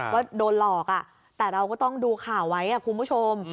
ว่าโดนหลอกแต่เราก็ต้องดูข่าวไว้คุณผู้ชม